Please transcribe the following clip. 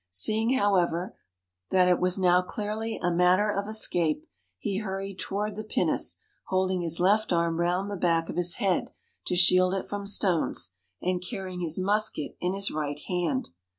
Seeing, however, that it was now clearly a matter of escape, he hurried toward the pinnace, hold ing his left arm round the back of his head to shield it from stones, and carrying his musket in his right hand.